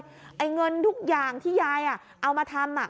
แบบนี้เลยไอ้เงินทุกอย่างที่ยายอ่ะเอามาทำอ่ะ